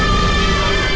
yaudah kita lanjut aja yuk